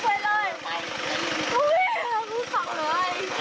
กูไม่เห็นมึงกูมีลูกกับมึงแหละ